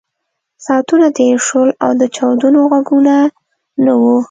ساعتونه تېر شول او د چاودنو غږونه نه وو